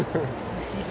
不思議。